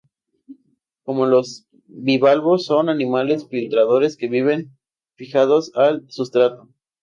Como otros bivalvos, son animales filtradores que viven fijados al sustrato.